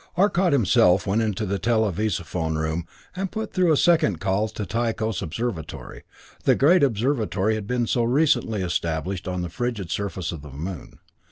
Arcot himself went into the televisophone room and put through a second call to the Tychos Observatory, the great observatory that had so recently been established on the frigid surface of the Moon.